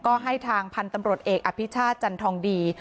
ก็ให้ทางพันธุ์ตำรวจเอกอภิชาติจันทองดี